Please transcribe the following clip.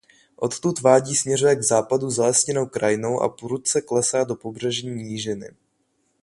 Odtud vádí směřuje k západu zalesněnou krajinou a prudce klesá do pobřežní nížiny.